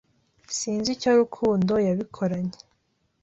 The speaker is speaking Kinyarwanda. Sinzi icyo rukundo yabikoranye.